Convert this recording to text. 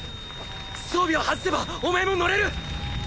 装備を外せばお前も乗れるッ。